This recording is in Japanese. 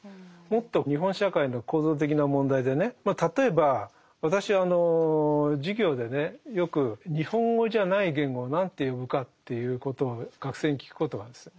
もっと日本社会の構造的な問題でねまあ例えば私あの授業でねよく日本語じゃない言語を何て呼ぶかということを学生に聞くことがあるんです。